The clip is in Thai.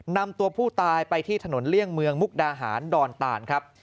นำตัวผู้ตายไปที่ถนนเลี่ยงเมืองมุกดาหารดอนตานครับ